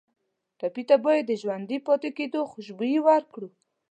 ټپي ته باید د ژوندي پاتې کېدو خوشبويي ورکړو.